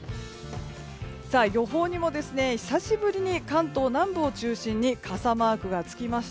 予報にも久しぶりに関東南部を中心に傘マークが付きました。